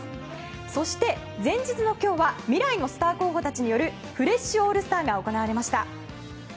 そして前日の今日は未来のスター候補たちによるフレッシュオールスターが行われました。